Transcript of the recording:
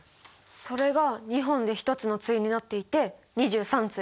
それが２本で一つの対になっていて２３対。